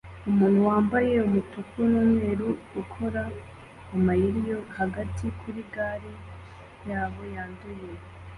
Umuntu wambaye umutuku numweru ukora amayeri yo hagati kuri gare yabo yanduye